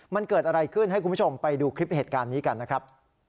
มันเกิดอะไรขึ้นให้คุณผู้ชมไปดูคลิปเหตุการณ์นี้กันนะครับ